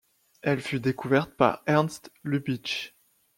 Elle fut découverte par Ernst Lubitsch.